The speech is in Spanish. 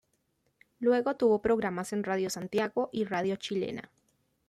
Luego tuvo programas en Radio Santiago y Radio Chilena.